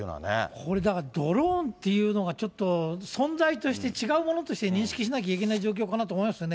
これ、だから、ドローンっていうのが、ちょっと存在として違うものとして認識しなきゃいけない状況かなと思いますよね。